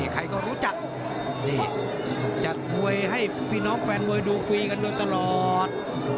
ใครก็รู้จักนี่จัดมวยให้พี่น้องแฟนมวยดูฟรีกันโดยตลอด